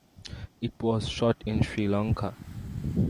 It was shot in Sri Lanka.